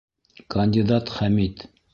Кандидат Хәмит!